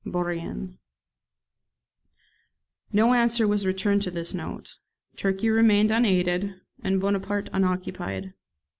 Bourrienne.] No answer was returned to this note. Turkey remained unaided, and Bonaparte unoccupied.